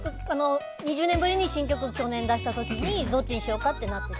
２０年ぶりに新曲を去年出した時にどっちにしようかとなって。